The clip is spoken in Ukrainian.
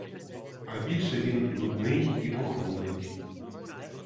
А більше він нудний і похмурий.